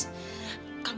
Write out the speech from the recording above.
rani jangan nangis